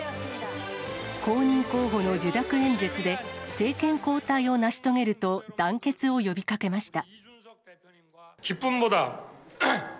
公認候補の受諾演説で、政権交代を成し遂げると、団結を呼びかけました。